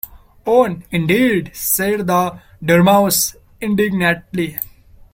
‘One, indeed!’ said the Dormouse indignantly.